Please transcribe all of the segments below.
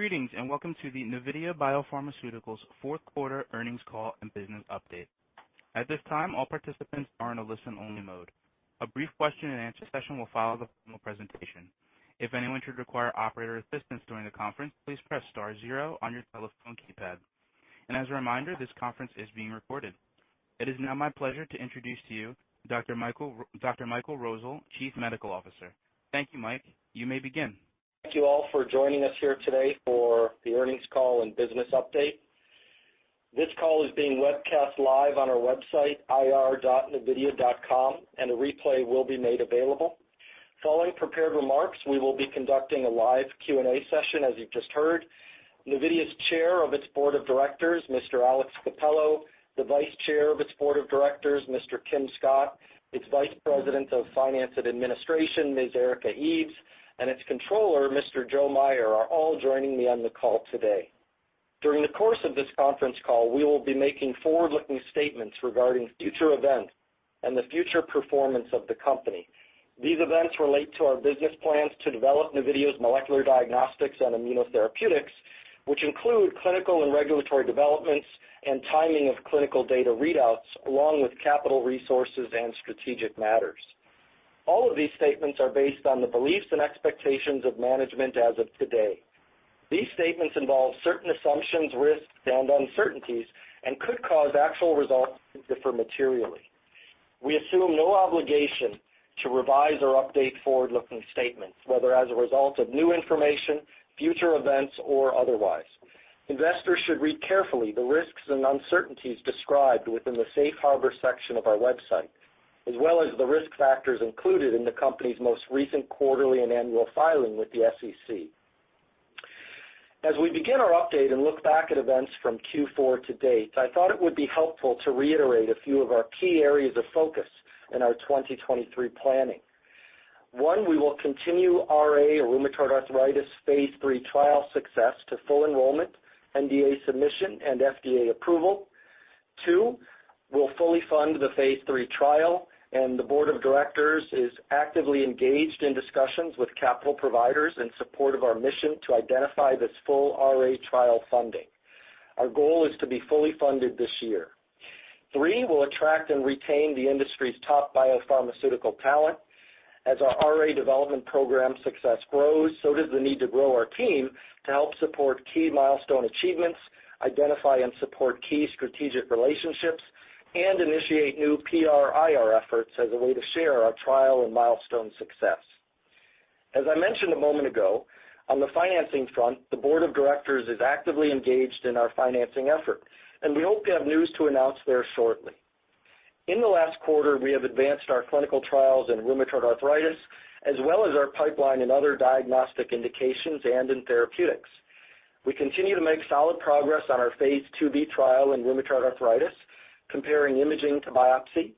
Greetings, welcome to the Navidea Biopharmaceuticals fourth quarter earnings call and business update. At this time, all participants are in a listen-only mode. A brief question-and-answer session will follow the formal presentation. If anyone should require operator assistance during the conference, please press star zero on your telephone keypad. As a reminder, this conference is being recorded. It is now my pleasure to introduce to you Dr. Michael Rosol, Chief Medical Officer. Thank you, Michael. You may begin. Thank you all for joining us here today for the earnings call and business update. This call is being webcast live on our website, ir.navidea.com, and a replay will be made available. Following prepared remarks, we will be conducting a live Q and A session, as you've just heard. Navidea's Chair of its Board of Directors, Mr. Alex Cappello, the Vice Chair of its Board of Directors, Mr. Kim Scott, its Vice President of Finance and Administration, Ms. Erika Eves, and its Controller, Mr. Joe Meyer, are all joining me on the call today. During the course of this conference call, we will be making forward-looking statements regarding future events and the future performance of the company. These events relate to our business plans to develop Navidea's molecular diagnostics and immunotherapeutics, which include clinical and regulatory developments and timing of clinical data readouts, along with capital resources and strategic matters. All of these statements are based on the beliefs and expectations of management as of today. These statements involve certain assumptions, risks, and uncertainties and could cause actual results to differ materially. We assume no obligation to revise or update forward-looking statements, whether as a result of new information, future events, or otherwise. Investors should read carefully the risks and uncertainties described within the Safe Harbor section of our website, as well as the risk factors included in the company's most recent quarterly and annual filing with the SEC. As we begin our update and look back at events from Q4 to date, I thought it would be helpful to reiterate a few of our key areas of focus in our 2023 planning. One, we will continue RA or rheumatoid arthritis phase III trial success to full enrollment, NDA submission, and FDA approval. Two, we'll fully fund the phase III trial. The board of directors is actively engaged in discussions with capital providers in support of our mission to identify this full RA trial funding. Our goal is to be fully funded this year. Three, we'll attract and retain the industry's top biopharmaceutical talent. As our RA development program success grows, so does the need to grow our team to help support key milestone achievements, identify and support key strategic relationships, and initiate new PR IR efforts as a way to share our trial and milestone success. As I mentioned a moment ago, on the financing front, the board of directors is actively engaged in our financing effort. We hope to have news to announce there shortly. In the last quarter, we have advanced our clinical trials in rheumatoid arthritis, as well as our pipeline in other diagnostic indications and in therapeutics. We continue to make solid progress on our phase IIB trial in rheumatoid arthritis, comparing imaging to biopsy.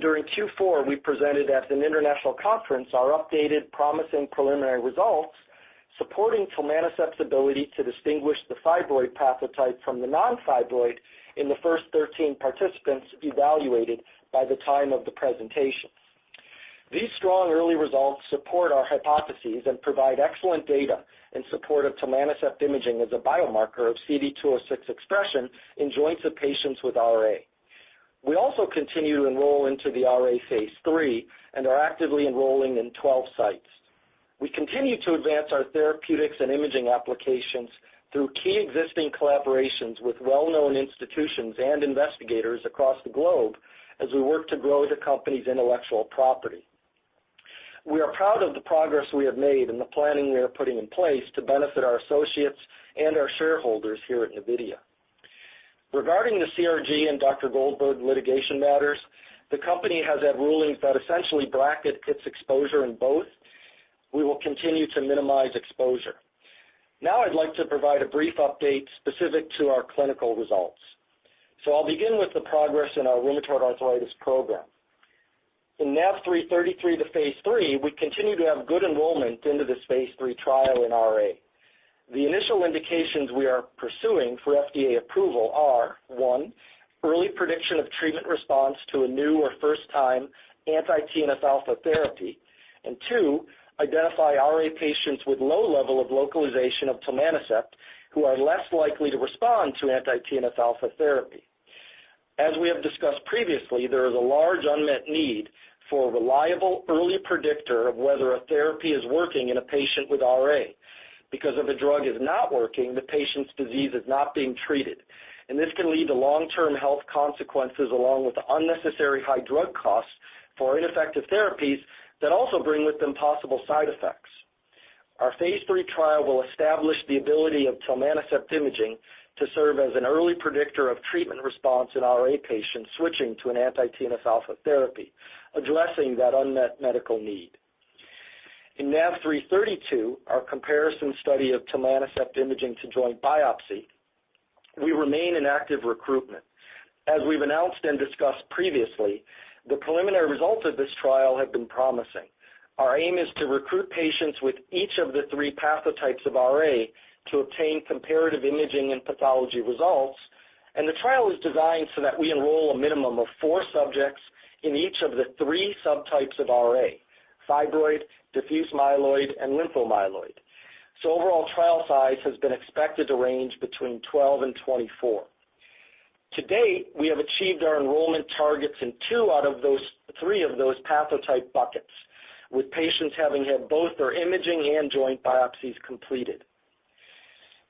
During Q4, we presented at an international conference our updated promising preliminary results supporting tilmanocept's ability to distinguish the fibroid pathotype from the non-fibroid in the first 13 participants evaluated by the time of the presentation. These strong early results support our hypotheses and provide excellent data in support of tilmanocept imaging as a biomarker of CD206 expression in joints of patients with RA. We also continue to enroll into the RA phase III and are actively enrolling in 12 sites. We continue to advance our therapeutics and imaging applications through key existing collaborations with well-known institutions and investigators across the globe as we work to grow the company's intellectual property. We are proud of the progress we have made and the planning we are putting in place to benefit our associates and our shareholders here at Navidea. Regarding the CRG and Dr. Goldberg litigation matters, the company has had rulings that essentially bracket its exposure in both. We will continue to minimize exposure. I'd like to provide a brief update specific to our clinical results. I'll begin with the progress in our rheumatoid arthritis program. In NAV3-33, the phase III, we continue to have good enrollment into this phase III trial in RA. The initial indications we are pursuing for FDA approval are, one, early prediction of treatment response to a new or first-time anti-TNF-alpha therapy. Two, identify RA patients with low level of localization of tilmanocept who are less likely to respond to anti-TNF-alpha therapy. As we have discussed previously, there is a large unmet need for a reliable early predictor of whether a therapy is working in a patient with RA because if a drug is not working, the patient's disease is not being treated, and this can lead to long-term health consequences along with unnecessary high drug costs for ineffective therapies that also bring with them possible side effects. Our phase III trial will establish the ability of tilmanocept imaging to serve as an early predictor of treatment response in RA patients switching to an anti-TNF-alpha therapy, addressing that unmet medical need. In NAV3-32, our comparison study of tilmanocept imaging to joint biopsy, we remain in active recruitment. As we've announced and discussed previously, the preliminary results of this trial have been promising. Our aim is to recruit patients with each of the three pathotypes of RA to obtain comparative imaging and pathology results. The trial is designed so that we enroll a minimum of four subjects in each of the three subtypes of RA, fibroid, diffuse-myeloid, and lympho-myeloid. Overall trial size has been expected to range between 12 and 24. To date, we have achieved our enrollment targets in two out of three of those pathotype buckets, with patients having had both their imaging and joint biopsies completed.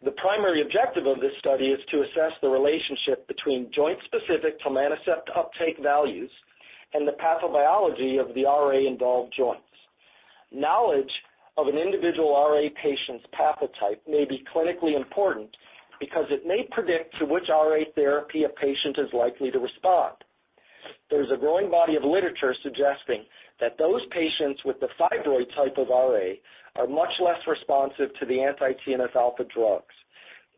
The primary objective of this study is to assess the relationship between joint-specific tilmanocept uptake values and the pathobiology of the RA-involved joints. Knowledge of an individual RA patient's pathotype may be clinically important because it may predict to which RA therapy a patient is likely to respond. There's a growing body of literature suggesting that those patients with the fibroid type of RA are much less responsive to the anti-TNF-alpha drugs.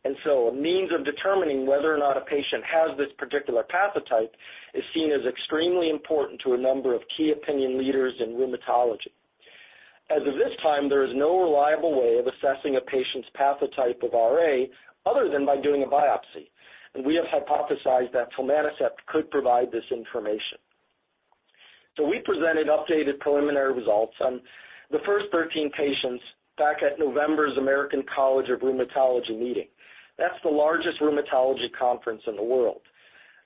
A means of determining whether or not a patient has this particular pathotype is seen as extremely important to a number of key opinion leaders in rheumatology. As of this time, there is no reliable way of assessing a patient's pathotype of RA other than by doing a biopsy. We have hypothesized that tilmanocept could provide this information. We presented updated preliminary results on the first 13 patients back at November's American College of Rheumatology meeting. That's the largest rheumatology conference in the world.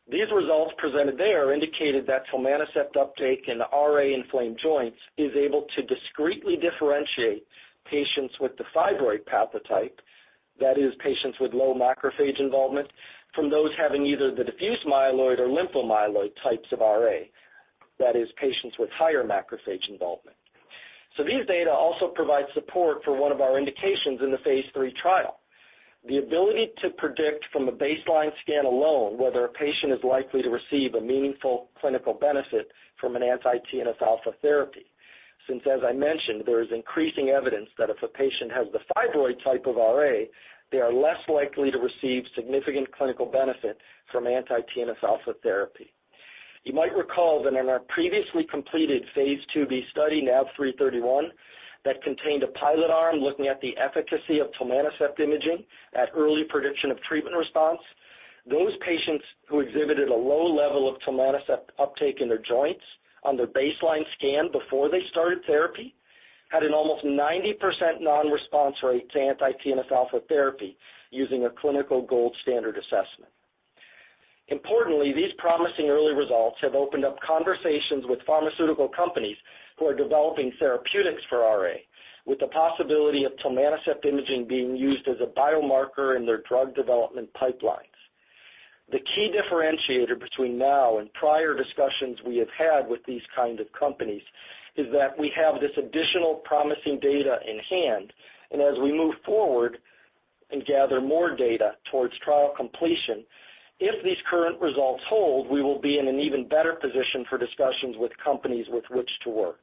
These results presented there indicated that tilmanocept uptake in the RA-inflamed joints is able to discreetly differentiate patients with the fibroid pathotype, that is, patients with low macrophage involvement, from those having either the diffuse-myeloid or lympho-myeloid types of RA. That is, patients with higher macrophage involvement. These data also provide support for one of our indications in the phase III trial, the ability to predict from a baseline scan alone whether a patient is likely to receive a meaningful clinical benefit from an anti-TNF-alpha therapy. Since, as I mentioned, there is increasing evidence that if a patient has the fibroid type of RA, they are less likely to receive significant clinical benefit from anti-TNF-alpha therapy. You might recall that in our previously completed phase IIb study, NAV3-31, that contained a pilot arm looking at the efficacy of tilmanocept imaging at early prediction of treatment response. Those patients who exhibited a low level of tilmanocept uptake in their joints on their baseline scan before they started therapy had an almost 90% non-response rate to anti-TNF-alpha therapy using a clinical gold standard assessment. Importantly, these promising early results have opened up conversations with pharmaceutical companies who are developing therapeutics for RA, with the possibility of tilmanocept imaging being used as a biomarker in their drug development pipelines. The key differentiator between now and prior discussions we have had with these kinds of companies is that we have this additional promising data in hand, and as we move forward and gather more data towards trial completion, if these current results hold, we will be in an even better position for discussions with companies with which to work.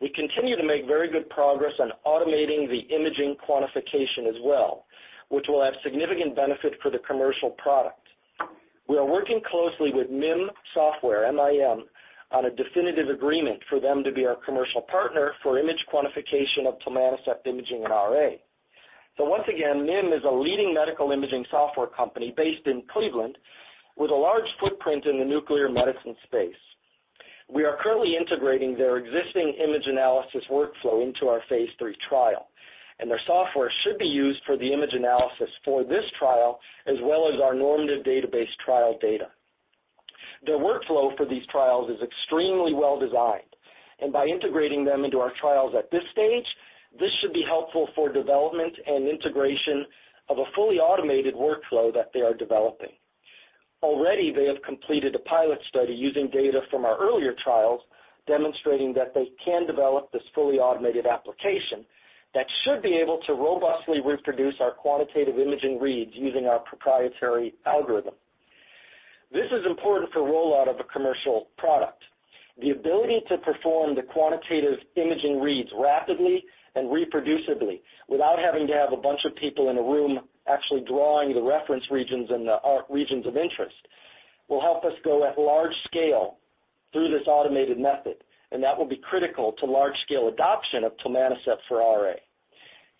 We continue to make very good progress on automating the imaging quantification as well, which will have significant benefit for the commercial product. We are working closely with MIM Software, M-I-M, on a definitive agreement for them to be our commercial partner for image quantification of tilmanocept imaging in RA. Once again, MIM is a leading medical imaging software company based in Cleveland with a large footprint in the nuclear medicine space. We are currently integrating their existing image analysis workflow into our phase III trial, and their software should be used for the image analysis for this trial as well as our normative database trial data. Their workflow for these trials is extremely well-designed, and by integrating them into our trials at this stage, this should be helpful for development and integration of a fully automated workflow that they are developing. Already, they have completed a pilot study using data from our earlier trials demonstrating that they can develop this fully automated application that should be able to robustly reproduce our quantitative imaging reads using our proprietary algorithm. This is important for rollout of a commercial product. The ability to perform the quantitative imaging reads rapidly and reproducibly without having to have a bunch of people in a room actually drawing the reference regions and the arc regions of interest will help us go at large scale through this automated method, and that will be critical to large-scale adoption of tilmanocept for RA.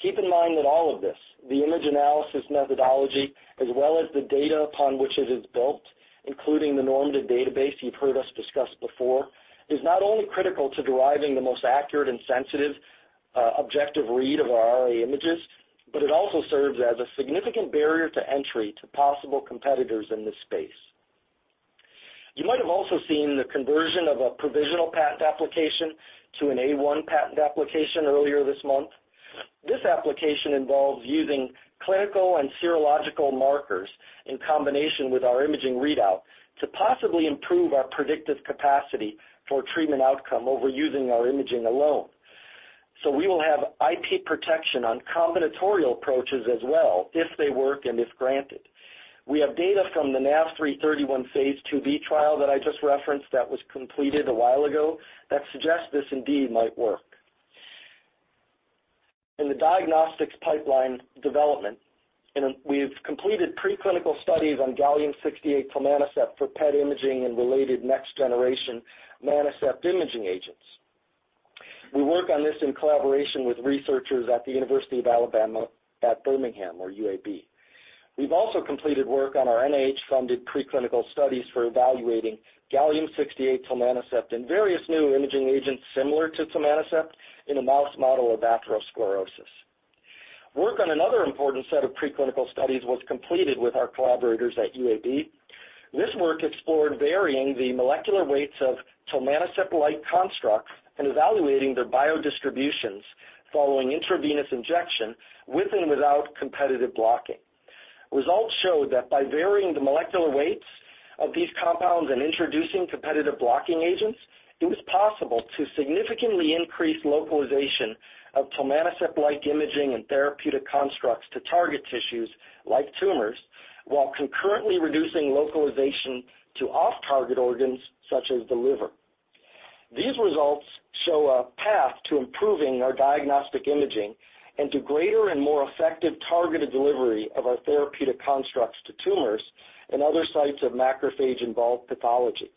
Keep in mind that all of this, the image analysis methodology as well as the data upon which it is built, including the normative database you've heard us discuss before, is not only critical to deriving the most accurate and sensitive, objective read of our RA images, but it also serves as a significant barrier to entry to possible competitors in this space. You might have also seen the conversion of a provisional patent application to an A.I. patent application earlier this month. This application involves using clinical and serological markers in combination with our imaging readout to possibly improve our predictive capacity for treatment outcome over using our imaging alone. We will have IP protection on combinatorial approaches as well if they work and if granted. We have data from the NAV3-31 phase IIb trial that I just referenced that was completed a while ago that suggests this indeed might work. In the diagnostics pipeline development, we've completed preclinical studies on gallium-68 tilmanocept for PET imaging and related next-generation Manocept imaging agents. We work on this in collaboration with researchers at the University of Alabama at Birmingham or UAB. We've also completed work on our NIH-funded preclinical studies for evaluating gallium-68 tilmanocept and various new imaging agents similar to tilmanocept in a mouse model of atherosclerosis. Work on another important set of preclinical studies was completed with our collaborators at UAB. This work explored varying the molecular weights of tilmanocept-like constructs and evaluating their biodistributions following intravenous injection with and without competitive blocking. Results showed that by varying the molecular weights of these compounds and introducing competitive blocking agents, it was possible to significantly increase localization of tilmanocept-like imaging and therapeutic constructs to target tissues like tumors, while concurrently reducing localization to off-target organs such as the liver. These results show a path to improving our diagnostic imaging and to greater and more effective targeted delivery of our therapeutic constructs to tumors and other sites of macrophage-involved pathology.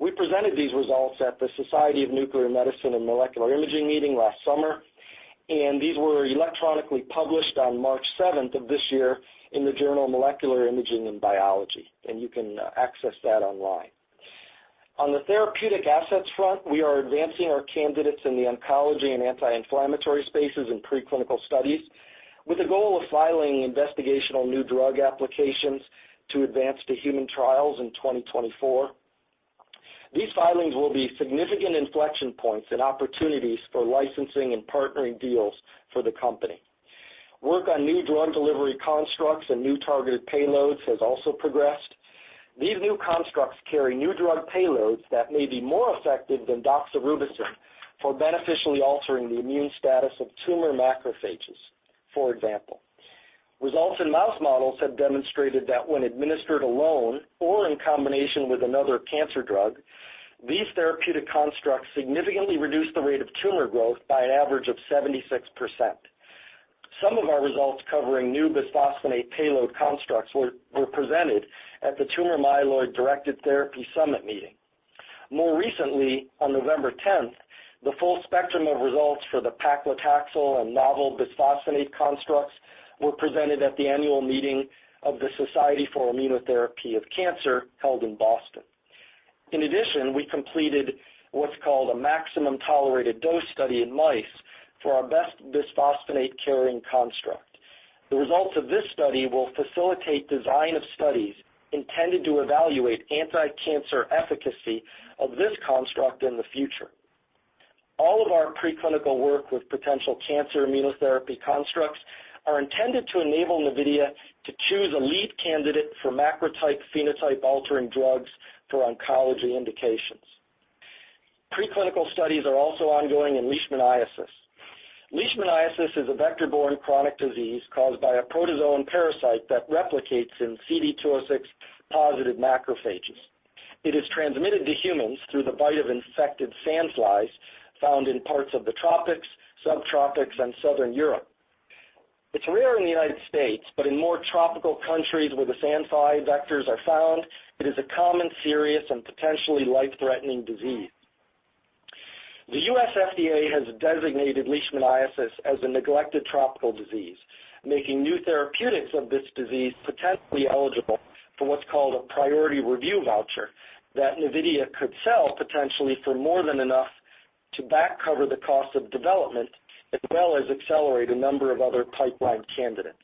We presented these results at the Society of Nuclear Medicine and Molecular Imaging meeting last summer. These were electronically published on March 7 of this year in the journal Molecular Imaging and Biology. You can access that online. On the therapeutic assets front, we are advancing our candidates in the oncology and anti-inflammatory spaces in preclinical studies with the goal of filing investigational new drug applications to advance to human trials in 2024. These filings will be significant inflection points and opportunities for licensing and partnering deals for the company. Work on new drug delivery constructs and new targeted payloads has also progressed. These new constructs carry new drug payloads that may be more effective than doxorubicin for beneficially altering the immune status of tumor macrophages, for example. Results in mouse models have demonstrated that when administered alone or in combination with another cancer drug, these therapeutic constructs significantly reduce the rate of tumor growth by an average of 76%. Some of our results covering new bisphosphonate payload constructs were presented at the Tumor Myeloid-Directed Therapies Summit meeting. More recently, on November 10th, the full spectrum of results for the paclitaxel and novel bisphosphonate constructs were presented at the annual meeting of the Society for Immunotherapy of Cancer held in Boston. In addition, we completed what's called a maximum tolerated dose study in mice for our best bisphosphonate-carrying construct. The results of this study will facilitate design of studies intended to evaluate anti-cancer efficacy of this construct in the future. All of our preclinical work with potential cancer immunotherapy constructs are intended to enable Navidea to choose a lead candidate for macrophage phenotype-altering drugs for oncology indications. Preclinical studies are also ongoing in leishmaniasis. Leishmaniasis is a vector-borne chronic disease caused by a protozoan parasite that replicates in CD206 positive macrophages. It is transmitted to humans through the bite of infected sandflies found in parts of the tropics, subtropics, and Southern Europe. It's rare in the United States, but in more tropical countries where the sandfly vectors are found, it is a common, serious, and potentially life-threatening disease. The US FDA has designated leishmaniasis as a neglected tropical disease, making new therapeutics of this disease potentially eligible for what's called a priority review voucher that Navidea could sell potentially for more than enough to back cover the cost of development, as well as accelerate a number of other pipeline candidates.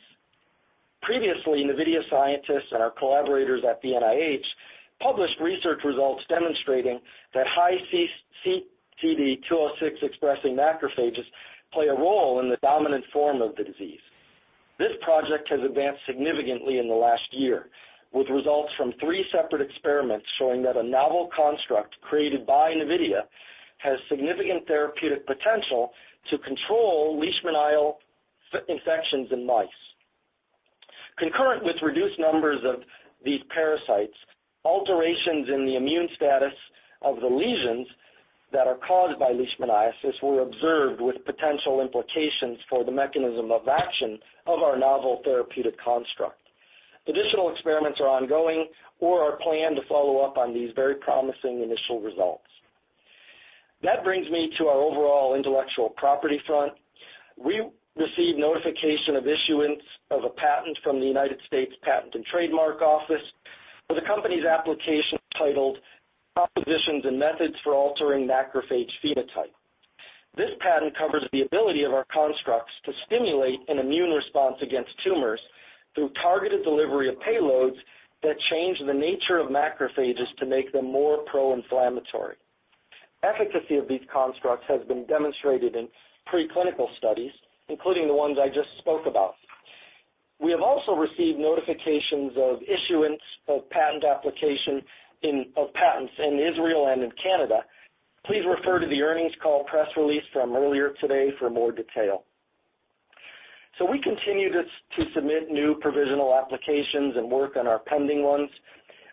Previously, Navidea scientists and our collaborators at the NIH published research results demonstrating that high CD206 expressing macrophages play a role in the dominant form of the disease. This project has advanced significantly in the last year, with results from three separate experiments showing that a novel construct created by Navidea has significant therapeutic potential to control leishmanial infections in mice. Concurrent with reduced numbers of these parasites, alterations in the immune status of the lesions that are caused by leishmaniasis were observed with potential implications for the mechanism of action of our novel therapeutic construct. Additional experiments are ongoing or are planned to follow up on these very promising initial results. That brings me to our overall intellectual property front. We received notification of issuance of a patent from the United States Patent and Trademark Office for the company's application titled Compositions and Methods for Altering Macrophage Phenotype. This patent covers the ability of our constructs to stimulate an immune response against tumors through targeted delivery of payloads that change the nature of macrophages to make them more pro-inflammatory. Efficacy of these constructs has been demonstrated in preclinical studies, including the ones I just spoke about. We have also received notifications of issuance of patent application of patents in Israel and in Canada. Please refer to the earnings call press release from earlier today for more detail. We continue to submit new provisional applications and work on our pending ones.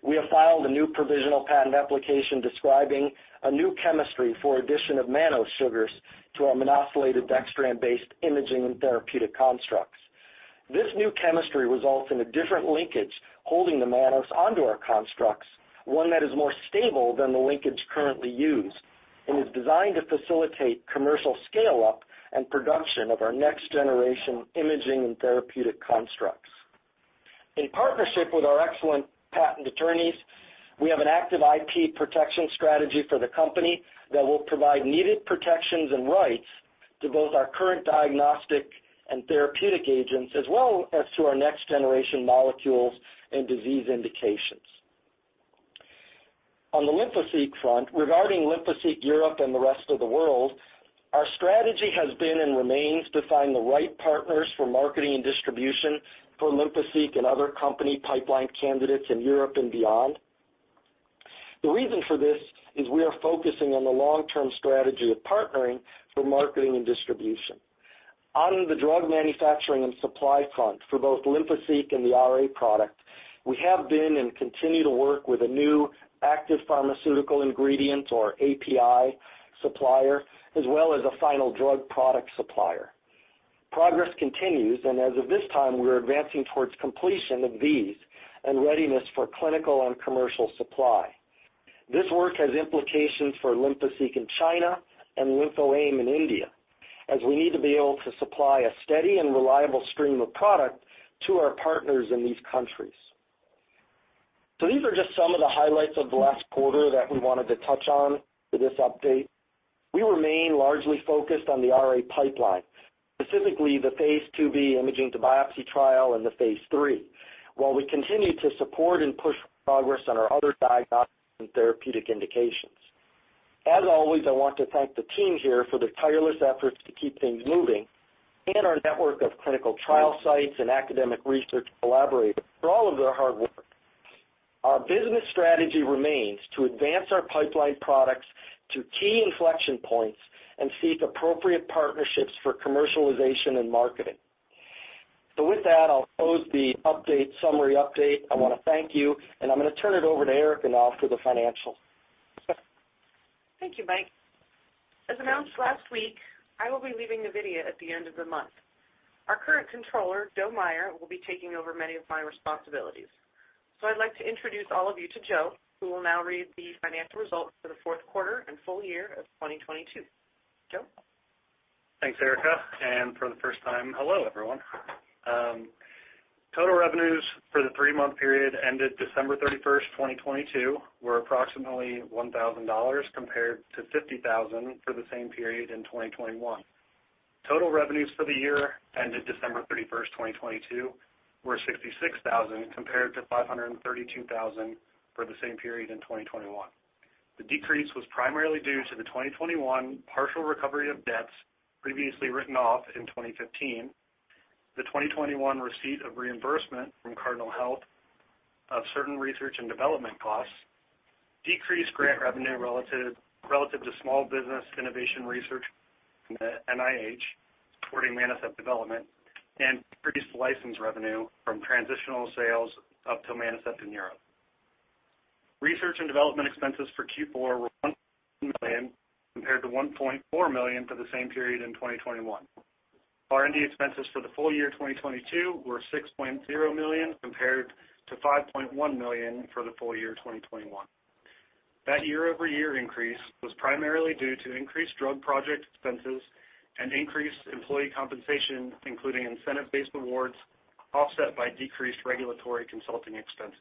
We have filed a new provisional patent application describing a new chemistry for addition of mannosugars to our mannosylated dextran-based imaging and therapeutic constructs. This new chemistry results in a different linkage holding the mannose onto our constructs, one that is more stable than the linkage currently used, and is designed to facilitate commercial scale-up and production of our next generation imaging and therapeutic constructs. In partnership with our excellent patent attorneys, we have an active IP protection strategy for the company that will provide needed protections and rights to both our current diagnostic and therapeutic agents, as well as to our next generation molecules and disease indications. On the Lymphoseek front, regarding Lymphoseek Europe and the rest of the world, our strategy has been and remains to find the right partners for marketing and distribution for Lymphoseek and other company pipeline candidates in Europe and beyond. The reason for this is we are focusing on the long-term strategy of partnering for marketing and distribution. On the drug manufacturing and supply front for both Lymphoseek and the RA product, we have been and continue to work with a new active pharmaceutical ingredient or API supplier, as well as a final drug product supplier. Progress continues. As of this time, we are advancing towards completion of these and readiness for clinical and commercial supply. This work has implications for Lymphoseek in China and LymphoAIM in India, as we need to be able to supply a steady and reliable stream of product to our partners in these countries. These are just some of the highlights of the last quarter that we wanted to touch on for this update. We remain largely focused on the RA pipeline, specifically the phase IIb imaging to biopsy trial and the phase III, while we continue to support and push progress on our other diagnostic and therapeutic indications. As always, I want to thank the team here for their tireless efforts to keep things moving, and our network of clinical trial sites and academic research collaborators for all of their hard work. Our business strategy remains to advance our pipeline products to key inflection points and seek appropriate partnerships for commercialization and marketing. With that, I'll close the update, summary update. I wanna thank you, and I'm gonna turn it over to Erika now for the financials. Thank you, Michael. As announced last week, I will be leaving Navidea at the end of the month. Our current controller, Joe Meyer, will be taking over many of my responsibilities. I'd like to introduce all of you to Joe, who will now read the financial results for the fourth quarter and full year of 2022. Joe? Thanks, Erika, and for the first time, hello, everyone. Total revenues for the three-month period ended December 31, 2022 were approximately $1,000 compared to $50,000 for the same period in 2021. Total revenues for the year ended December 31, 2022 were $66,000 compared to $532,000 for the same period in 2021. The decrease was primarily due to the 2021 partial recovery of debts previously written off in 2015, the 2021 receipt of reimbursement from Cardinal Health of certain research and development costs, decreased grant revenue relative to Small Business Innovation Research from the NIH supporting Manocept development, and decreased license revenue from transitional sales up to Manocept in Europe. Research and development expenses for Q4 were $1 million compared to $1.4 million for the same period in 2021. R&D expenses for the full year 2022 were $6.0 million compared to $5.1 million for the full year 2021. Year-over-year increase was primarily due to increased drug project expenses and increased employee compensation, including incentive-based awards, offset by decreased regulatory consulting expenses.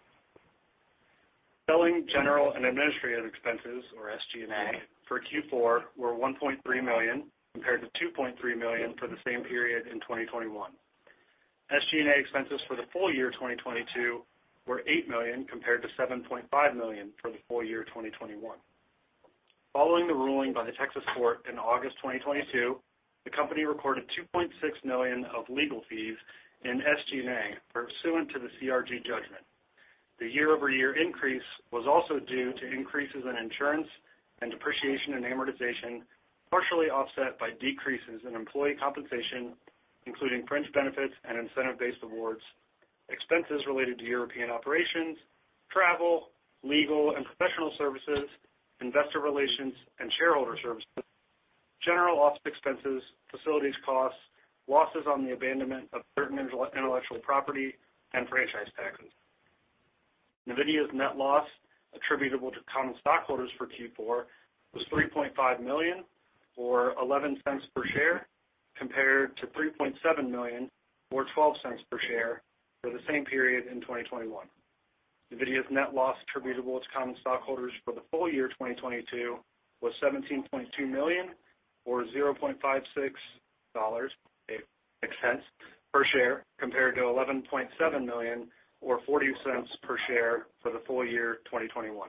Selling, general, and administrative expenses, or SG&A, for Q4 were $1.3 million compared to $2.3 million for the same period in 2021. SG&A expenses for the full year 2022 were $8 million compared to $7.5 million for the full year 2021. Following the ruling by the Texas Court in August 2022, the company recorded $2.6 million of legal fees in SG&A pursuant to the CRG judgment. The year-over-year increase was also due to increases in insurance and depreciation and amortization, partially offset by decreases in employee compensation, including fringe benefits and incentive-based awards, expenses related to European operations, travel, legal and professional services, investor relations and shareholder services, general office expenses, facilities costs, losses on the abandonment of certain intellectual property and franchise taxes. Navidea's net loss attributable to common stockholders for Q4 was $3.5 million, or $0.11 per share, compared to $3.7 million or $0.12 per share for the same period in 2021. Navidea's net loss attributable to common stockholders for the full year 2022 was $17.2 million or $0.5688 per share, compared to $11.7 million or $0.40 per share for the full year 2021.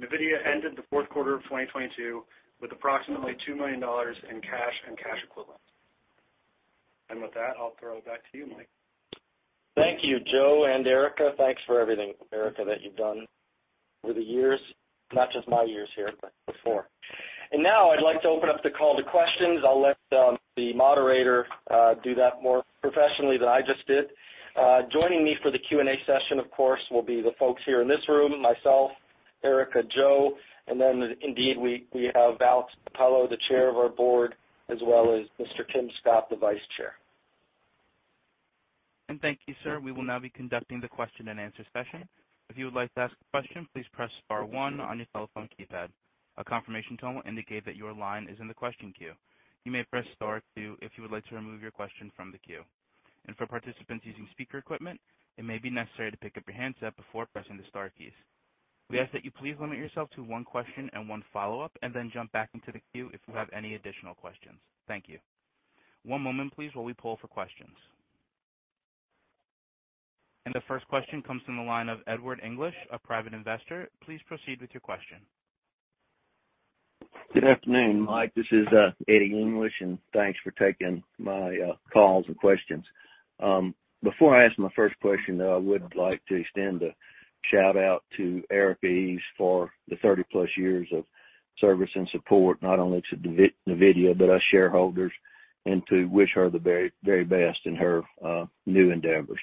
Navidea ended the fourth quarter of 2022 with approximately $2 million in cash and cash equivalents. With that, I'll throw it back to you, Michael. Thank you, Joe and Erika. Thanks for everything, Erika, that you've done over the years, not just my years here, but before. Now I'd like to open up the call to questions. I'll let the moderator do that more professionally than I just did. Joining me for the Q and A session, of course, will be the folks here in this room, myself, Erika, Joe, and then indeed, we have Alex Cappello, the Chair of our board, as well as Mr. Kim Scott, the Vice Chair. Thank you, sir. We will now be conducting the question-and-answer session. If you would like to ask a question, please press star one on your telephone keypad. A confirmation tone will indicate that your line is in the question queue. You may press star two if you would like to remove your question from the queue. For participants using speaker equipment, it may be necessary to pick up your handset before pressing the star keys. We ask that you please limit yourself to one question and one follow-up, and then jump back into the queue if you have any additional questions. Thank you. One moment, please, while we poll for questions. The first question comes from the line of Edward English, a private investor. Please proceed with your question. Good afternoon, Michael. This is Edward English. Thanks for taking my calls and questions. Before I ask my first question, though, I would like to extend a shout-out to Erika Eves for the 30-plus years of service and support, not only to Navidea but us shareholders, and to wish her the very, very best in her new endeavors.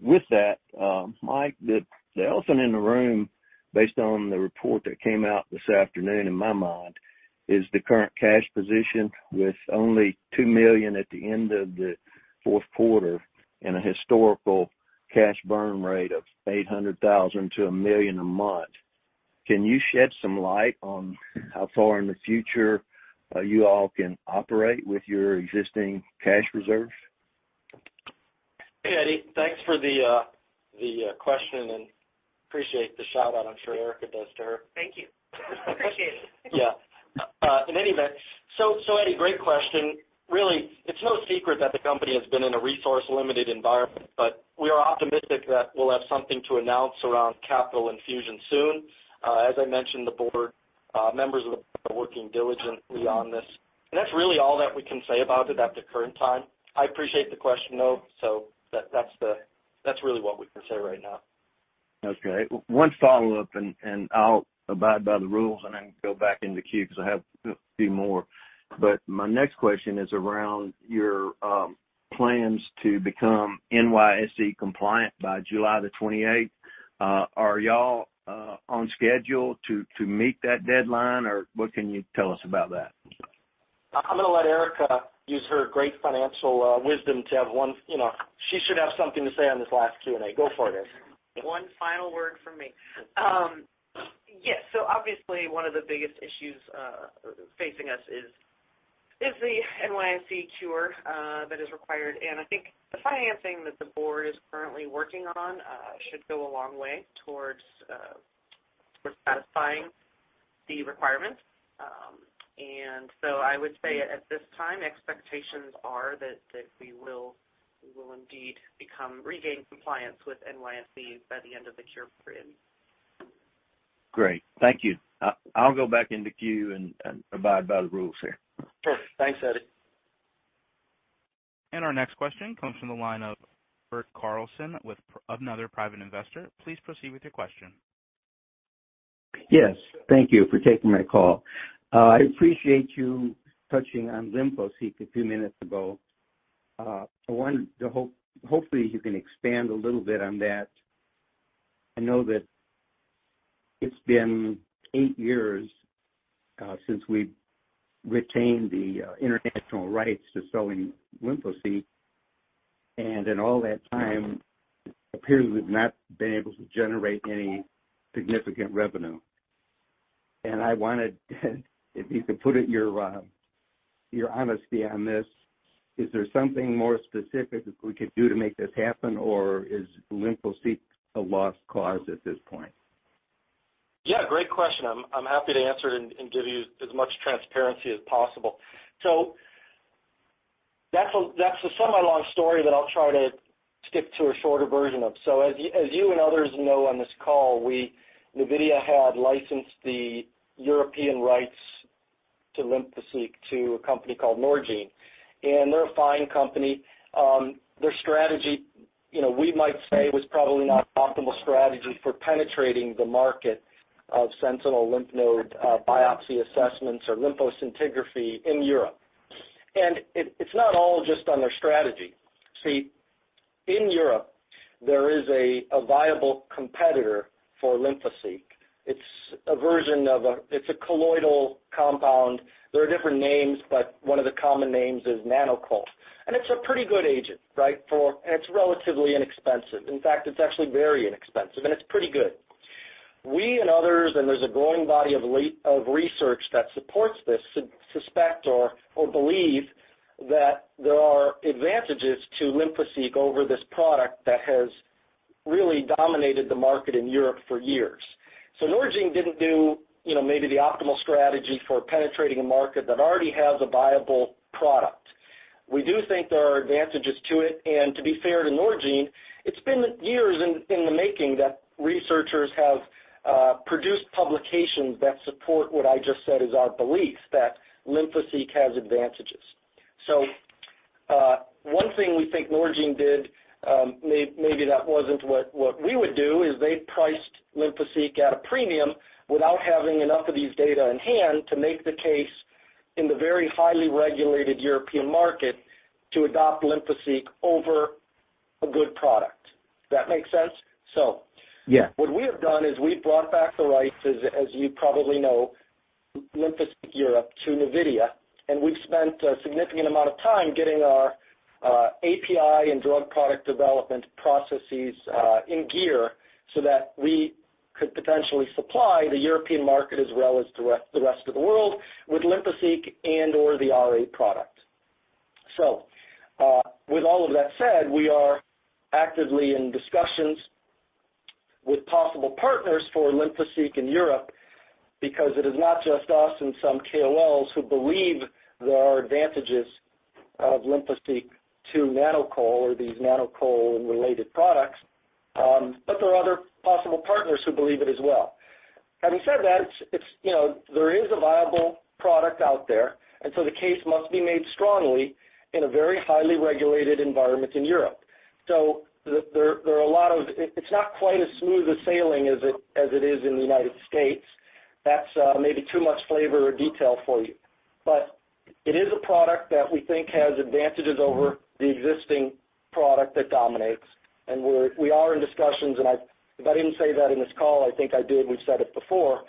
With that, Michael, the elephant in the room, based on the report that came out this afternoon in my mind is the current cash position with only $2 million at the end of the fourth quarter and a historical cash burn rate of $800,000-$1 million a month. Can you shed some light on how far in the future you all can operate with your existing cash reserves? Hey, Edward. Thanks for the question and appreciate the shout-out. I'm sure Erika does too. Thank you. Appreciate it. Yeah. Edward, great question. Really, it's no secret that the company has been in a resource-limited environment, but we are optimistic that we'll have something to announce around capital infusion soon. As I mentioned, the board members are working diligently on this, and that's really all that we can say about it at the current time. I appreciate the question, though. That's really what we can say right now. Okay. One follow-up, and I'll abide by the rules and then go back in the queue because I have a few more. My next question is around your plans to become NYSE compliant by July 28th. Are y'all on schedule to meet that deadline, or what can you tell us about that? I'm gonna let Erika use her great financial wisdom to have one. You know, she should have something to say on this last Q and A. Go for it. One final word from me. Yes. Obviously one of the biggest issues facing us is the NYSE cure that is required. I think the financing that the board is currently working on should go a long way towards satisfying the requirements. I would say at this time, expectations are that we will indeed regain compliance with NYSE by the end of the cure period. Great. Thank you. I'll go back in the queue and abide by the rules here. Sure. Thanks, Edward. Our next question comes from the line of Burt Carlson with another private investor. Please proceed with your question. Yes. Thank you for taking my call. I appreciate you touching on Lymphoseek a few minutes ago. Hopefully you can expand a little bit on that. I know that it's been eight years since we retained the international rights to selling Lymphoseek, and in all that time, it appears we've not been able to generate any significant revenue. I wanted to if you could put it your honesty on this, is there something more specific that we could do to make this happen, or is Lymphoseek a lost cause at this point? Yeah, great question. I'm happy to answer it and give you as much transparency as possible. That's a semi-long story that I'll try to stick to a shorter version of. As you and others know on this call, Navidea had licensed the European rights to Lymphoseek to a company called Norgine, and they're a fine company. Their strategy, you know, we might say was probably not optimal strategy for penetrating the market of sentinel lymph node biopsy assessments or lymphoscintigraphy in Europe. It's not all just on their strategy. See, in Europe, there is a viable competitor for Lymphoseek. It's a version of a colloidal compound. There are different names, but one of the common names is Nanocoll. It's a pretty good agent, right, for. It's relatively inexpensive. In fact, it's actually very inexpensive, and it's pretty good. We and others, and there's a growing body of research that supports this, suspect or believe that there are advantages to Lymphoseek over this product that has really dominated the market in Europe for years. Norgine didn't do, you know, maybe the optimal strategy for penetrating a market that already has a viable product. We do think there are advantages to it. To be fair to Norgine, it's been years in the making that researchers have produced publications that support what I just said is our belief, that Lymphoseek has advantages. One thing we think Norgine did, maybe that wasn't what we would do, is they priced Lymphoseek at a premium without having enough of these data in hand to make the case in the very highly regulated European market to adopt Lymphoseek over a good product. That make sense? Yeah. What we have done is we've brought back the rights, as you probably know, Lymphoseek Europe to Navidea, and we've spent a significant amount of time getting our API and drug product development processes in gear so that we could potentially supply the European market as well as the rest, the rest of the world with Lymphoseek and or the RA product. With all of that said, we are actively in discussions with possible partners for Lymphoseek in Europe because it is not just us and some KOLs who believe there are advantages of Lymphoseek to nanocolloid or these nanocolloid related products, but there are other possible partners who believe it as well. Having said that, it's, you know, there is a viable product out there, and so the case must be made strongly in a very highly regulated environment in Europe. There are a lot of, it's not quite as smooth a sailing as it is in the United States. That's maybe too much flavor or detail for you. It is a product that we think has advantages over the existing product that dominates. We are in discussions, and if I didn't say that in this call, I think I did, we've said it before.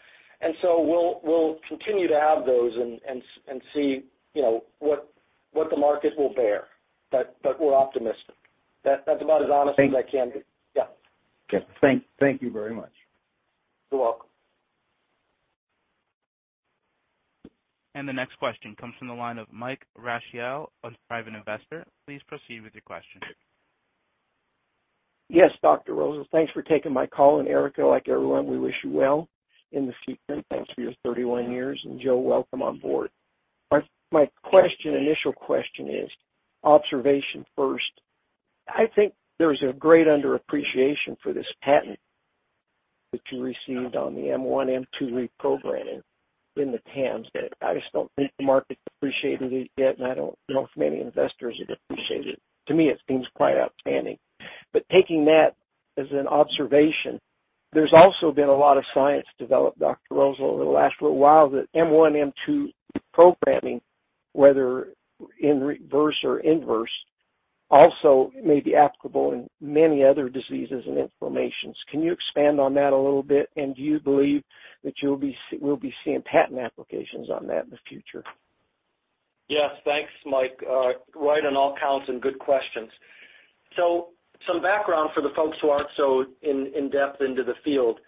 We'll continue to have those and see, you know, what the market will bear. We're optimistic. That's about as honest as I can be. Thank- Yeah. Okay. Thank you very much. You're welcome. The next question comes from the line of Michael Rachek of Private Investor. Please proceed with your question. Yes, Dr. Rosol. Thanks for taking my call. Erika, like everyone, we wish you well in the future. Thanks for your 31 years. Joe, welcome on board. My question, initial question is observation first. I think there's a great underappreciation for this patent that you received on the M1, M2 reprogramming in the TAMS. I just don't think the market appreciated it yet, and I don't know if many investors have appreciated it. To me, it seems quite outstanding. Taking that as an observation, there's also been a lot of science developed, Dr. Rosol, over the last little while that M1, M2 reprogramming, whether in reverse or inverse, also may be applicable in many other diseases and inflammations. Can you expand on that a little bit? Do you believe that we'll be seeing patent applications on that in the future? Thanks, Mike. Right on all counts and good questions. Some background for the folks who aren't so in-depth into the field.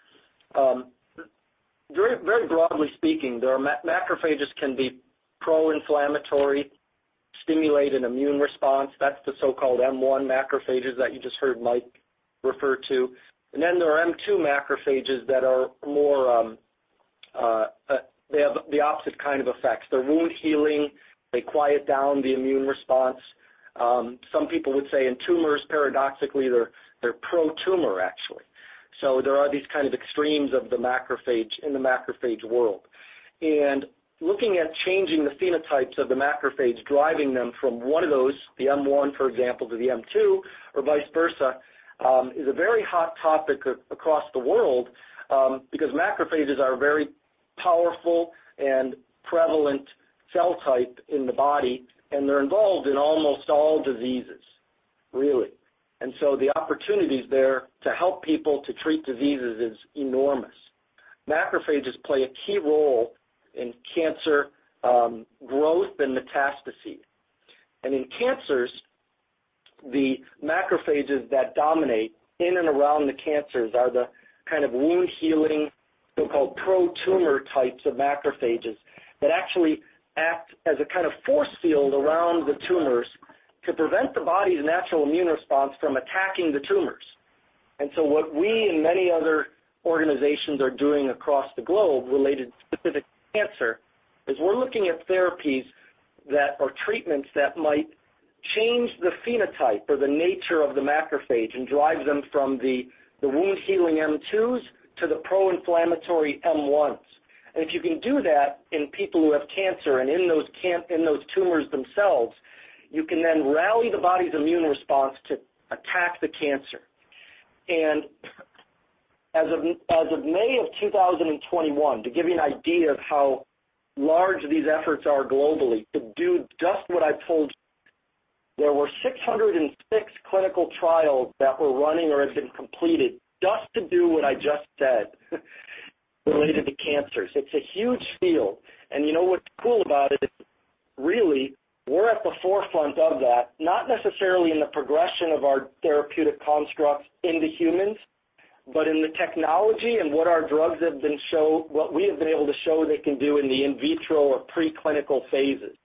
Very broadly speaking, there are macrophages can be pro-inflammatory, stimulate an immune response. That's the so-called M1 macrophages that you just heard Mike refer to. There are M2 macrophages that are more, they have the opposite kind of effects. They're wound healing, they quiet down the immune response. Some people would say in tumors, paradoxically, they're pro-tumor actually. There are these kind of extremes of the macrophage in the macrophage world. Looking at changing the phenotypes of the macrophage, driving them from one of those, the M1, for example, to the M2 or vice versa, is a very hot topic across the world because macrophages are a very powerful and prevalent cell type in the body, and they're involved in almost all diseases, really. The opportunities there to help people to treat diseases is enormous. Macrophages play a key role in cancer, growth and metastasis. In cancers, the macrophages that dominate in and around the cancers are the kind of wound healing, so-called pro-tumor types of macrophages that actually act as a kind of force field around the tumors to prevent the body's natural immune response from attacking the tumors. What we and many other organizations are doing across the globe related specific to cancer, is we're looking at therapies or treatments that might change the phenotype or the nature of the macrophage and drive them from the wound healing M2s to the pro-inflammatory M1s. If you can do that in people who have cancer and in those tumors themselves, you can then rally the body's immune response to attack the cancer. As of May of 2021, to give you an idea of how large these efforts are globally to do just what I told you, there were 606 clinical trials that were running or have been completed just to do what I just said, related to cancers. It's a huge field. You know what's cool about it is, really, we're at the forefront of that, not necessarily in the progression of our therapeutic constructs into humans, but in the technology and what our drugs have been what we have been able to show they can do in the in vitro or preclinical phases.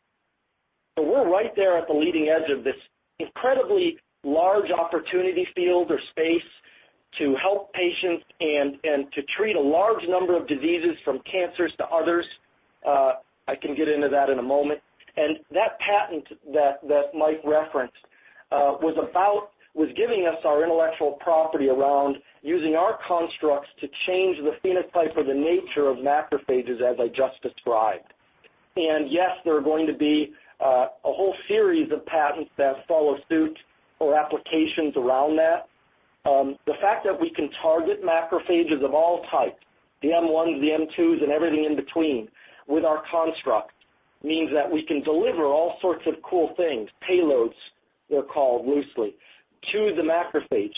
We're right there at the leading edge of this incredibly large opportunity field or space to help patients and to treat a large number of diseases from cancers to others, I can get into that in a moment. That patent that Mike referenced was giving us our intellectual property around using our constructs to change the phenotype or the nature of macrophages as I just described. Yes, there are going to be a whole series of patents that follow suit or applications around that. The fact that we can target macrophages of all types, the M1s, the M2s, and everything in between with our construct means that we can deliver all sorts of cool things, payloads they're called loosely, to the macrophage,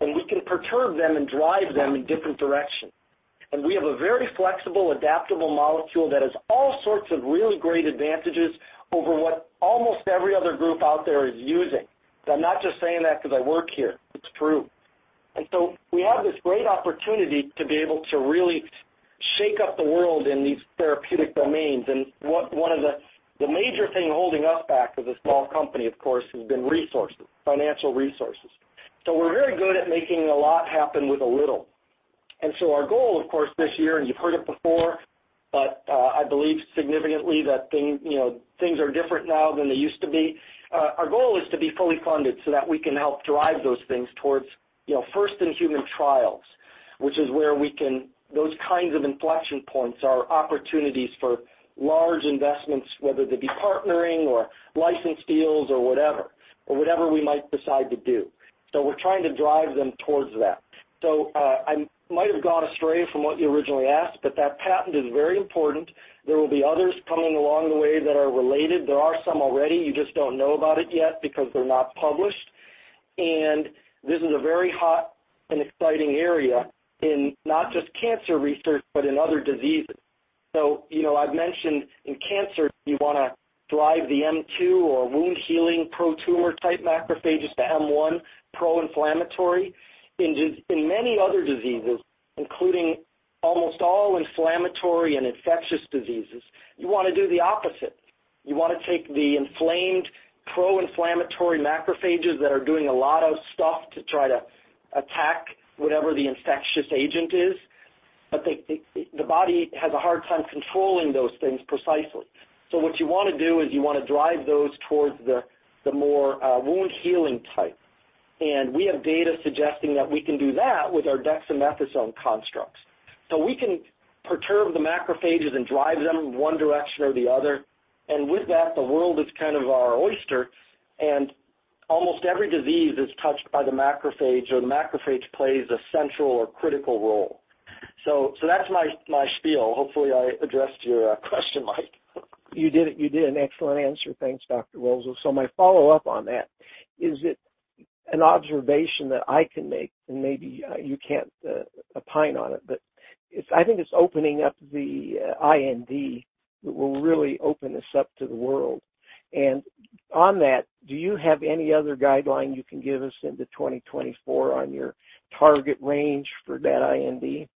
and we can perturb them and drive them in different directions. We have a very flexible, adaptable molecule that has all sorts of really great advantages over what almost every other group out there is using. I'm not just saying that because I work here. It's true. So we have this great opportunity to be able to really shake up the world in these therapeutic domains. One of the major thing holding us back as a small company, of course, has been resources, financial resources. We're very good at making a lot happen with a little. Our goal, of course, this year, and you've heard it before, but I believe significantly that thing, you know, things are different now than they used to be. Our goal is to be fully funded so that we can help drive those things towards, you know, first in human trials. Those kinds of inflection points are opportunities for large investments, whether they be partnering or license deals or whatever, or whatever we might decide to do. We're trying to drive them towards that. I might have gone astray from what you originally asked, but that patent is very important. There will be others coming along the way that are related. There are some already. You just don't know about it yet because they're not published. This is a very hot and exciting area in not just cancer research, but in other diseases. You know, I've mentioned in cancer, you wanna drive the M2 or wound-healing pro-tumor type macrophages to M1, pro-inflammatory. In many other diseases, including almost all inflammatory and infectious diseases, you wanna do the opposite. You wanna take the inflamed pro-inflammatory macrophages that are doing a lot of stuff to try to attack whatever the infectious agent is, but they, the body has a hard time controlling those things precisely. What you wanna do is you wanna drive those towards the more wound-healing type. We have data suggesting that we can do that with our dexamethasone constructs. We can perturb the macrophages and drive them one direction or the other. With that, the world is kind of our oyster, and almost every disease is touched by the macrophage, or the macrophage plays a central or critical role. That's my spiel. Hopefully, I addressed your question, Mike. You did. An excellent answer. Thanks, Dr. Rosol. My follow-up on that, is it an observation that I can make, and maybe you can't opine on it, but I think it's opening up the IND that will really open this up to the world. On that, do you have any other guideline you can give us into 2024 on your target range for that IND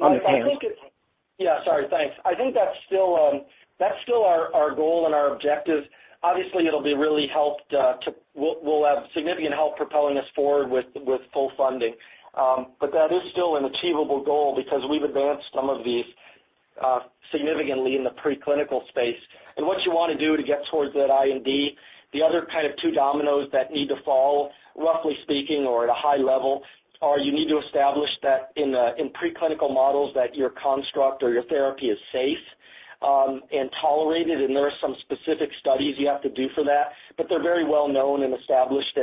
on the panel? Yeah, sorry. Thanks. I think that's still our goal and our objective. Obviously, it'll be really helped. We'll have significant help propelling us forward with full funding. That is still an achievable goal because we've advanced some of these significantly in the preclinical space. What you want to do to get towards that IND, the other kind of two dominoes that need to fall, roughly speaking or at a high level, are you need to establish that in preclinical models that your construct or your therapy is safe and tolerated. There are some specific studies you have to do for that, but they're very well known and established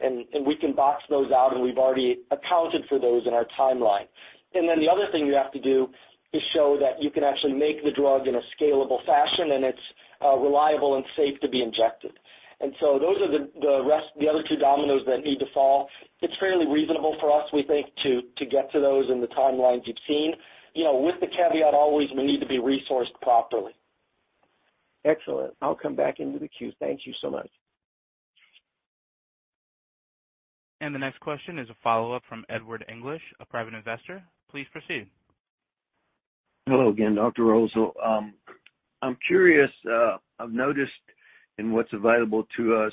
and we can box those out. We've already accounted for those in our timeline. The other thing you have to do is show that you can actually make the drug in a scalable fashion and it's reliable and safe to be injected. Those are the other two dominoes that need to fall. It's fairly reasonable for us, we think, to get to those in the timelines you've seen. You know, with the caveat always we need to be resourced properly. Excellent. I'll come back into the queue. Thank you so much. The next question is a follow-up from Edward English, a private investor. Please proceed. Hello again, Dr. Rosol. I'm curious, I've noticed in what's available to us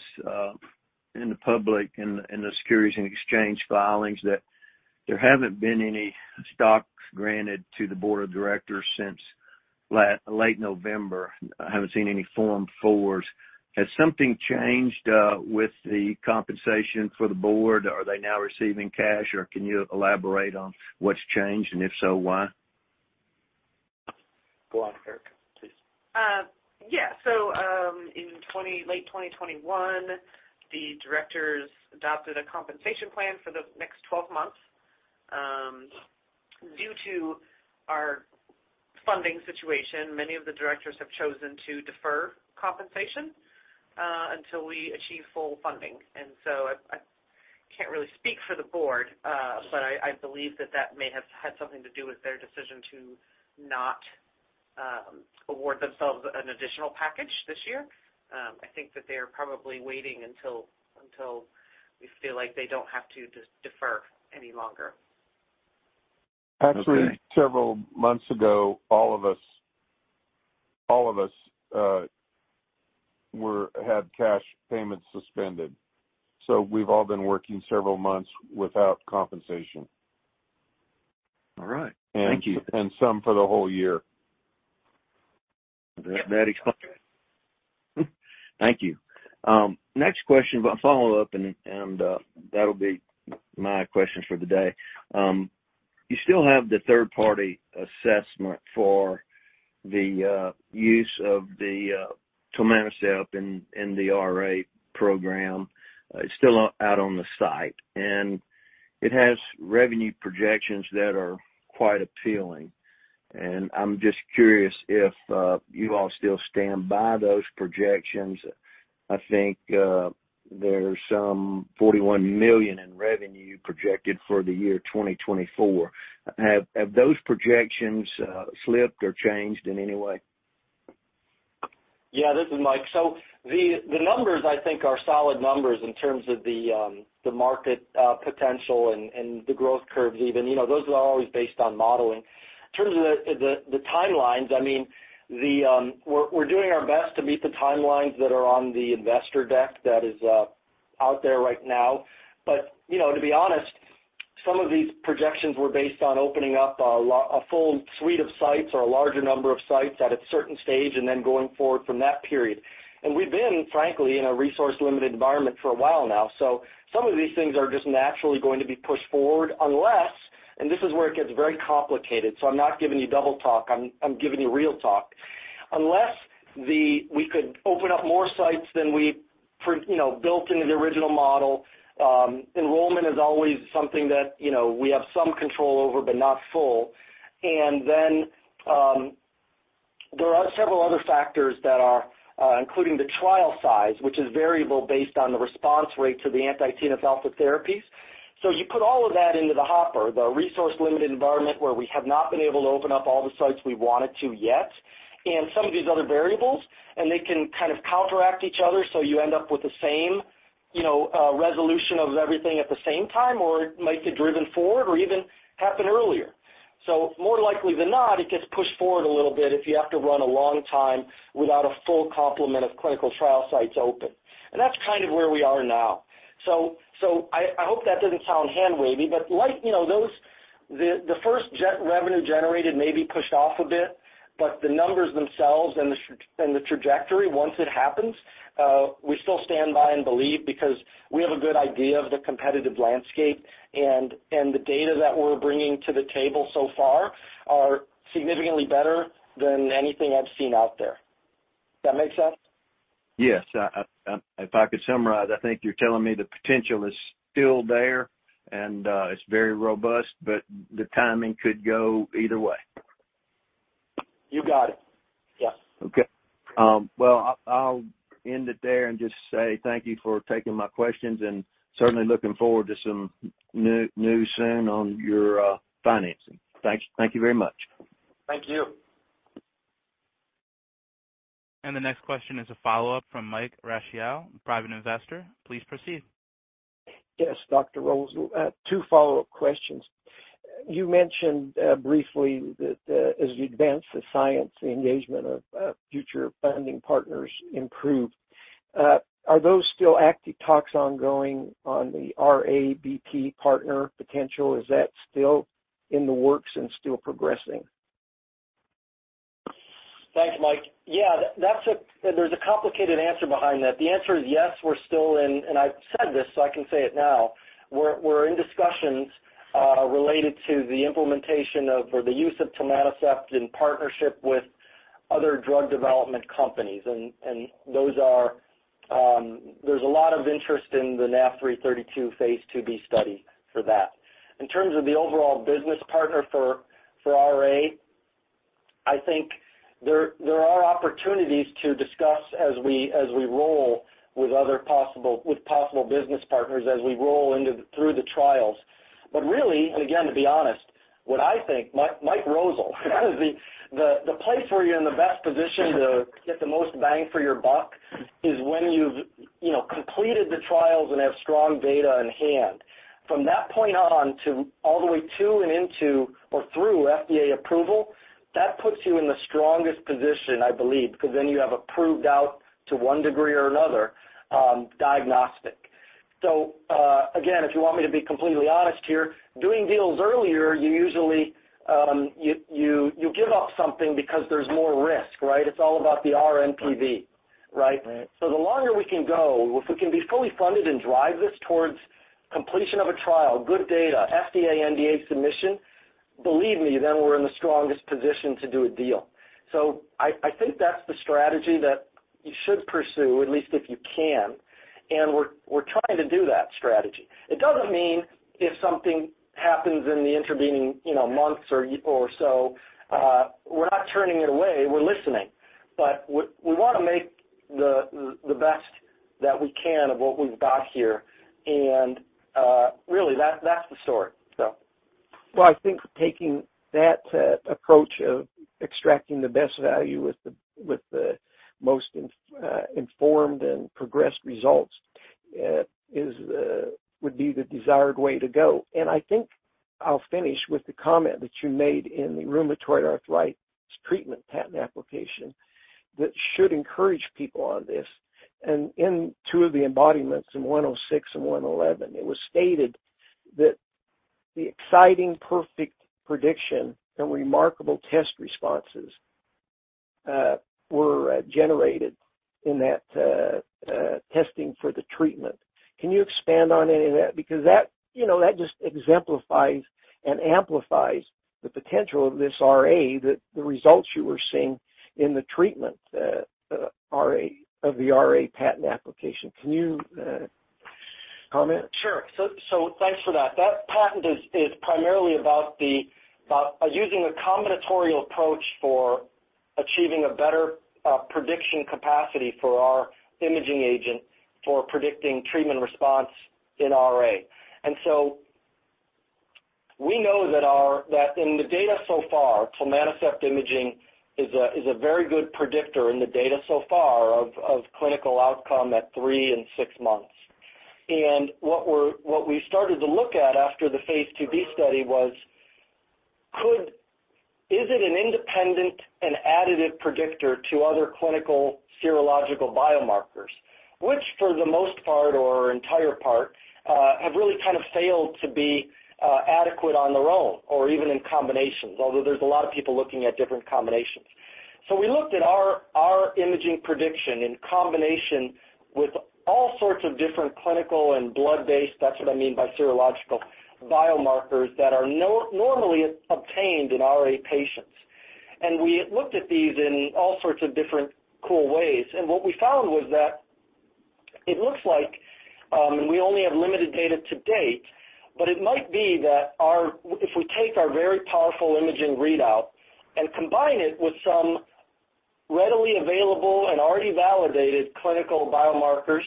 in the public and in the Securities and Exchange filings that there haven't been any stocks granted to the Board of Directors since late November. I haven't seen any Form 4s. Has something changed with the compensation for the Board? Are they now receiving cash, or can you elaborate on what's changed? If so, why? Go on, Erika, please. Yeah. In late 2021, the directors adopted a compensation plan for the next 12 months. Due to our funding situation, many of the directors have chosen to defer compensation until we achieve full funding. I can't really speak for the board, but I believe that that may have had something to do with their decision to not award themselves an additional package this year. I think that they are probably waiting until we feel like they don't have to just defer any longer. Okay. Actually, several months ago, all of us had cash payments suspended. We've all been working several months without compensation. All right. Thank you. Some for the whole year. That explains. Thank you. Next question, but follow-up and, that'll be my questions for the day. You still have the third-party assessment for the tilmanocept in the RA program. It's still out on the site, and it has revenue projections that are quite appealing. I'm just curious if you all still stand by those projections. I think there's some $41 million in revenue projected for the year 2024. Have those projections slipped or changed in any way? Yeah, this is Mike. The numbers I think are solid numbers in terms of the market potential and the growth curves even. You know, those are always based on modeling. In terms of the timelines, I mean, We're doing our best to meet the timelines that are on the investor deck that is out there right now. You know, to be honest, some of these projections were based on opening up a full suite of sites or a larger number of sites at a certain stage and then going forward from that period. We've been, frankly, in a resource-limited environment for a while now. Some of these things are just naturally going to be pushed forward unless, and this is where it gets very complicated, so I'm not giving you double talk, I'm giving you real talk. Unless we could open up more sites than we built into the original model, enrollment is always something that, you know, we have some control over, but not full. There are several other factors that are including the trial size, which is variable based on the response rate to the anti-TNF-alpha therapies. You put all of that into the hopper, the resource-limited environment where we have not been able to open up all the sites we wanted to yet, and some of these other variables, and they can kind of counteract each other, so you end up with the same, you know, resolution of everything at the same time, or it might get driven forward or even happen earlier. More likely than not, it gets pushed forward a little bit if you have to run a long time without a full complement of clinical trial sites open. That's kind of where we are now. I hope that doesn't sound hand-wavy, but like, you know, those— The first revenue generated may be pushed off a bit, but the numbers themselves and the trajectory, once it happens, we still stand by and believe because we have a good idea of the competitive landscape and the data that we're bringing to the table so far are significantly better than anything I've seen out there. That make sense? Yes. if I could summarize, I think you're telling me the potential is still there and it's very robust, but the timing could go either way. You got it. Yes. Okay. Well, I'll end it there and just say thank you for taking my questions, and certainly looking forward to some news soon on your financing. Thank you very much. Thank you. The next question is a follow-up from Mike Rachek, private investor. Please proceed. Yes, Dr. Rosol. Two follow-up questions. You mentioned briefly that as you advance the science, the engagement of future funding partners improve. Are those still active talks ongoing on the RABT partner potential? Is that still in the works and still progressing? Thanks, Mike. Yeah, that's a complicated answer behind that. The answer is yes, we're still. I've said this, so I can say it now. We're in discussions related to the implementation of or the use of tilmanocept in partnership with other drug development companies. Those are, there's a lot of interest in the NAV3-32 phase IIB study for that. In terms of the overall business partner for RA, I think there are opportunities to discuss as we roll with other possible business partners as we roll through the trials. Really, and again, to be honest, what I think, Michael Rosol, the place where you're in the best position to get the most bang for your buck is when you've, you know, completed the trials and have strong data in hand. From that point on to all the way to and into or through FDA approval, that puts you in the strongest position, I believe, because then you have a proved out to one degree or another diagnostic. Again, if you want me to be completely honest here, doing deals earlier, you usually give up something because there's more risk, right? It's all about the rNPV, right? Right. The longer we can go, if we can be fully funded and drive this towards completion of a trial, good data, FDA NDA submission, believe me, then we're in the strongest position to do a deal. I think that's the strategy that you should pursue, at least if you can. We're trying to do that strategy. It doesn't mean if something happens in the intervening, you know, months or so, we're not turning it away, we're listening. We wanna make the best that we can of what we've got here. Really, that's the story. Well, I think taking that approach of extracting the best value with the, with the most informed and progressed results, is, would be the desired way to go. I think I'll finish with the comment that you made in the rheumatoid arthritis treatment patent application that should encourage people on this. In two of the embodiments, in 106 and 111, it was stated that the exciting perfect prediction and remarkable test responses were generated in that testing for the treatment. Can you expand on any of that? That, you know, that just exemplifies and amplifies the potential of this RA, the results you were seeing in the treatment, the RA patent application. Can you comment? Sure. Thanks for that. That patent is primarily about using a combinatorial approach for achieving a better prediction capacity for our imaging agent for predicting treatment response in RA. We know that in the data so far, tilmanocept imaging is a very good predictor in the data so far of clinical outcome at three and six months. What we started to look at after the phase IIb study was, is it an independent and additive predictor to other clinical serological biomarkers, which for the most part or entire part, have really kind of failed to be adequate on their own or even in combinations, although there's a lot of people looking at different combinations. We looked at our imaging prediction in combination with all sorts of different clinical and blood-based, that's what I mean by serological biomarkers, that are normally obtained in RA patients. We looked at these in all sorts of different cool ways. What we found was that it looks like, and we only have limited data to date, but it might be that our, if we take our very powerful imaging readout and combine it with some readily available and already validated clinical biomarkers,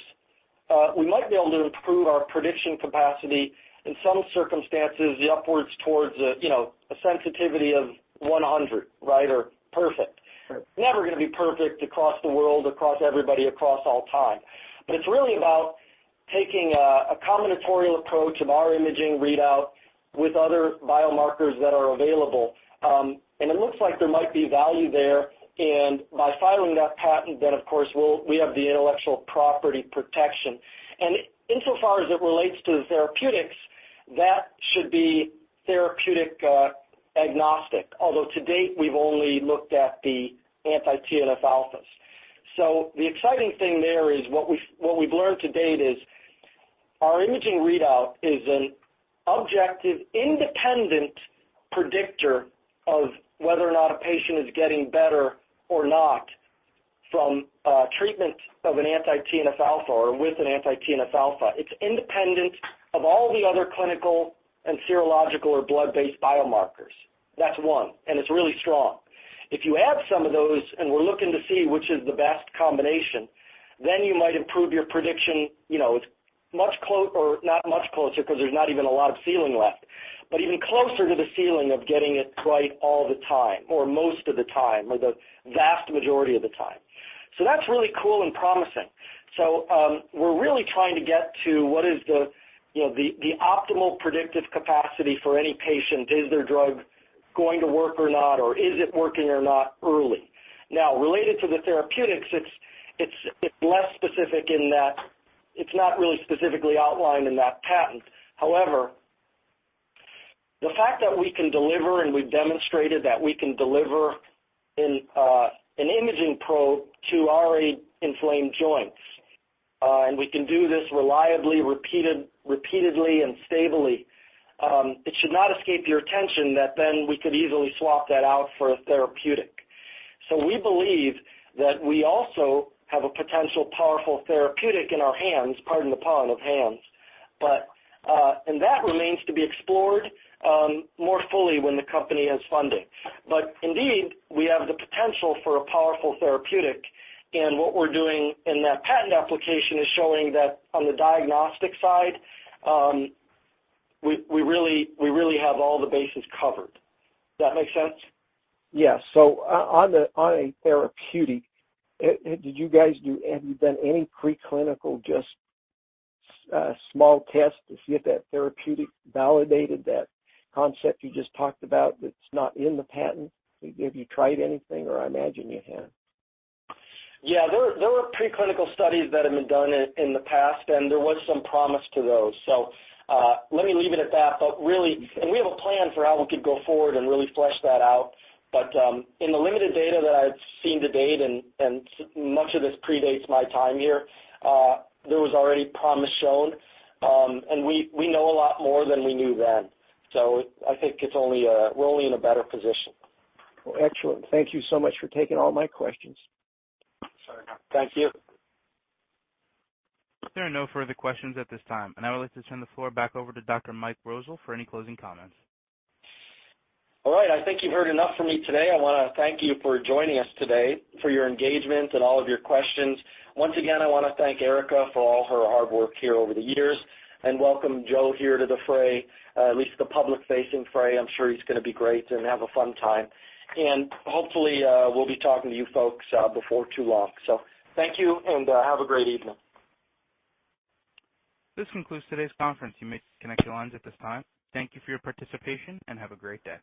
we might be able to improve our prediction capacity in some circumstances upwards towards, you know, a sensitivity of 100, right, or perfect. Sure. Never gonna be perfect across the world, across everybody, across all time, but it's really about taking a combinatorial approach of our imaging readout with other biomarkers that are available. It looks like there might be value there. By filing that patent then of course we have the intellectual property protection. Insofar as it relates to the therapeutics, that should be therapeutic agnostic. Although to date, we've only looked at the anti-TNF-alpha. The exciting thing there is what we've, what we've learned to date is our imaging readout is an objective, independent predictor of whether or not a patient is getting better or not from treatment of an anti-TNF-alpha or with an anti-TNF-alpha. It's independent of all the other clinical and serological or blood-based biomarkers. That's one, and it's really strong. If you add some of those, and we're looking to see which is the best combination, then you might improve your prediction, you know, much closer because there's not even a lot of ceiling left, but even closer to the ceiling of getting it right all the time or most of the time, or the vast majority of the time. That's really cool and promising. We're really trying to get to what is the, you know, the optimal predictive capacity for any patient. Is their drug going to work or not, or is it working or not early? Related to the therapeutics, it's less specific in that it's not really specifically outlined in that patent. The fact that we can deliver, and we've demonstrated that we can deliver an imaging probe to RA inflamed joints, and we can do this reliably, repeatedly and stably, it should not escape your attention that then we could easily swap that out for a therapeutic. We believe that we also have a potential powerful therapeutic in our hands, pardon the pun of hands. That remains to be explored more fully when the company has funding. Indeed, we have the potential for a powerful therapeutic. What we're doing in that patent application is showing that on the diagnostic side, we really have all the bases covered. Does that make sense? Yes. On a therapeutic, did you guys have you done any preclinical, just, small test to see if that therapeutic validated that concept you just talked about that's not in the patent? Have you tried anything or I imagine you have. Yeah. There were preclinical studies that have been done in the past, and there was some promise to those. Let me leave it at that. Really, and we have a plan for how we could go forward and really flesh that out. In the limited data that I've seen to date, and much of this predates my time here, there was already promise shown. We know a lot more than we knew then. I think it's only, we're only in a better position. Well, excellent. Thank you so much for taking all my questions. Sure. Thank you. There are no further questions at this time. I would like to turn the floor back over to Dr. Michael Rosol for any closing comments. All right. I think you've heard enough from me today. I wanna thank you for joining us today, for your engagement and all of your questions. Once again, I wanna thank Erika for all her hard work here over the years and welcome Joe here to the fray, at least the public-facing fray. I'm sure he's gonna be great and have a fun time. Hopefully, we'll be talking to you folks before too long. Thank you, and have a great evening. This concludes today's conference. You may disconnect your lines at this time. Thank you for your participation, and have a great day.